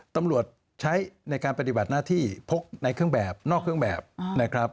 ตำรวจใช้ในการปฏิบัติหน้าที่พกในเครื่องแบบนอกเครื่องแบบนะครับ